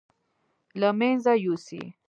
له مېنځه يوسي.